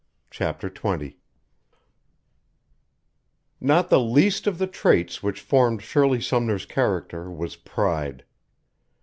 CHAPTER XX Not the least of the traits which formed Shirley Sumner's character was pride.